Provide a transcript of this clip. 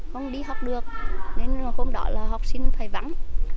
không đi học được nên hôm đó là học sinh phải vắng